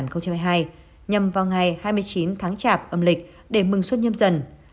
nhằm vào ngày hai mươi chín tháng chạp âm lịch để mừng xuân nhâm dần